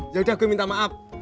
jauh jauh gue minta maaf